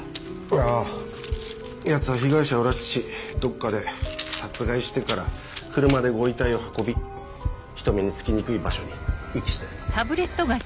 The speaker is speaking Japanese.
ああヤツは被害者を拉致しどっかで殺害してから車でご遺体を運び人目につきにくい場所に遺棄してる。